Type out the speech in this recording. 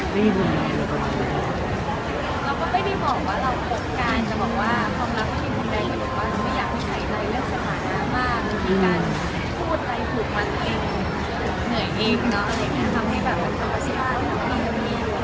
แต่ว่าหนูไม่อยากไปถ่ายในเรื่องสมรรณามากมันมีการปูดไหลผูกมันตัวเอง